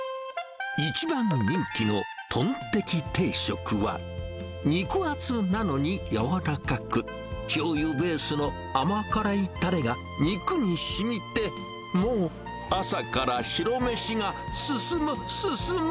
一番人気の豚テキ定食は、肉厚なのに柔らかく、しょうゆベースの甘辛いたれが肉にしみて、もう朝から白飯が進む、進む。